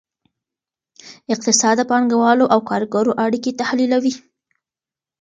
اقتصاد د پانګوالو او کارګرو اړیکې تحلیلوي.